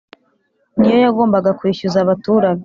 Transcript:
niyo yagombaga kwishyuza abaturage